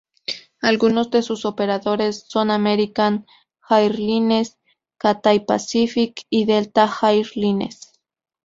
Algunos de sus operadores son: American Airlines, Cathay Pacific y Delta Air Lines.